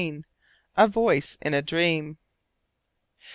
A VOICE IN A DREAM.